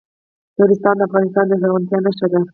نورستان د افغانستان د زرغونتیا نښه ده.